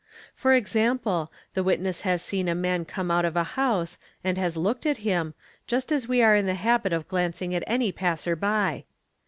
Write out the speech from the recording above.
For example, the" witness has seen a man come out of a house and has looked at him, just. as we are in the habit of glancing at any passer by.